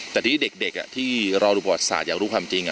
แต่ทีนี้เด็กที่รอดูประวัติศาสตร์อยากรู้ความจริง